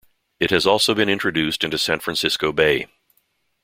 It has also been introduced into San Francisco Bay.